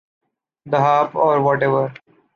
The harp or whatever.